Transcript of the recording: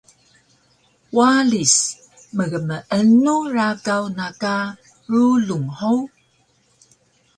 Walis: Mgmeenu rakaw na ka rulung hug?